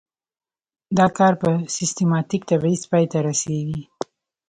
دا کار په سیستماتیک تبعیض پای ته رسیږي.